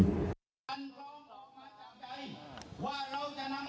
กันพร้อมขอมาจากใจ